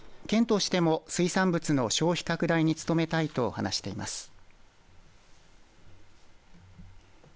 県としても水産物の消費拡大に努めたいと話しています。